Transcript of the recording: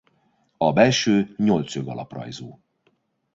A belső nyolcszög alaprajzú.